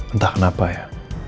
entah kenapa ya